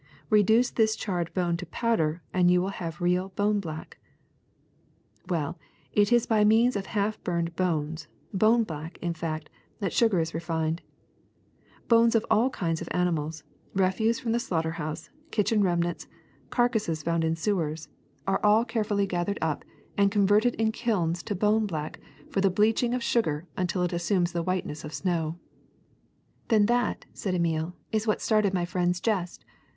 Reduce this charred bone to powder, and you will have real bone black. ^*Well, it is by means of half burned bones, bone black in fact, that sugar is refined. Bones of all kinds of animals, refuse from the slaughter house, kitchen remnants, carcasses found in sewers, all are 186 THE SECRET OF EVERYDAY THINGS carefully gathered up and converted in kilns to bone black for the bleaching of sugar until it assumes the whiteness of snow.'' *^That, then/' said Emile, *4s what started my friend's jest.